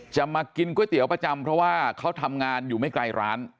มากินก๋วยเตี๋ยวประจำเพราะว่าเขาทำงานอยู่ไม่ไกลร้าน